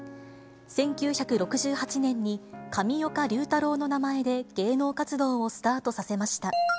１９６８年に上岡龍太郎の名前で芸能活動をスタートさせました。